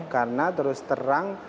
karena terus terang